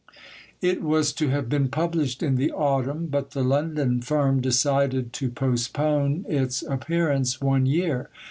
It was to have been published in the autumn, but the London firm decided to postpone its appearance one year.